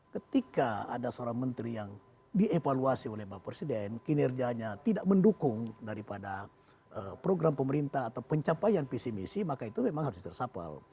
ketika ada seorang menteri yang dievaluasi oleh mbak presiden kinerjanya tidak mendukung daripada program pemerintah atau pencapaian pcmc maka itu memang harus resapel